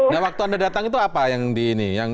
nah waktu anda datang itu apa yang di ini